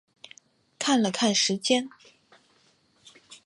看了看时间